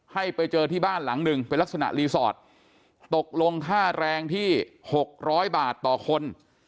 ให้ไปเจอที่บ้านหลังหนึ่งเป็นลักษณะรีสอร์ทตกลงค่าแรงที่๖๐๐บาทต่อคน